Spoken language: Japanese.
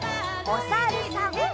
おさるさん。